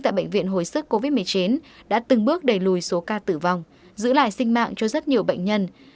tại bệnh viện hồi sức covid một mươi chín đã từng bước đẩy lùi số ca tử vong giữ lại sinh mạng cho rất nhiều bệnh nhân